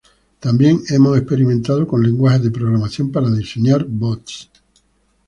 También hemos experimentado con lenguajes de programación para diseñar bots